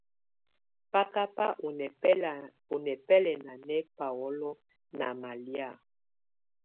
Ba ka bà ɔ̀ nɛ̀bɛlɛna nɛ paolo nà malɛ̀á.